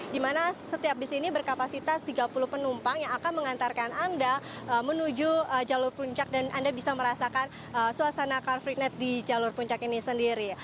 di mana setiap bis ini berkapasitas tiga puluh penumpang yang akan mengantarkan anda menuju jalur puncak dan anda bisa merasakan suasana car free night di jalur puncak ini sendiri